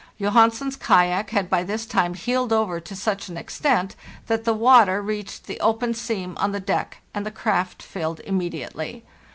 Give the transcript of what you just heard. Johansen's kayak had by this time heeled over to such an extent that the water reached the open seam on the deck, and the craft filled immediately.